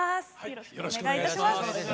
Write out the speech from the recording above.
よろしくお願いします。